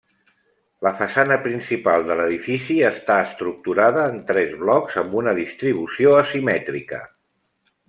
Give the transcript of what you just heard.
La façana principal de l'edifici està estructurada en tres blocs amb una distribució asimètrica.